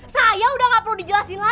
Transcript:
saya udah gak perlu dijelasin lagi